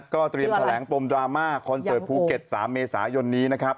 ก็เตรียมแถลงปมดราม่าคอนเสิร์ตภูเก็ต๓เมษายนนี้นะครับ